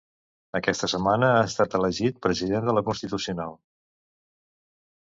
Aquesta setmana ha estat elegit president de la Constitucional.